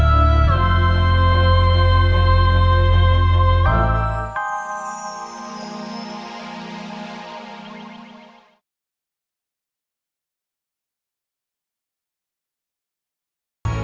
saya tentupun akan menemukan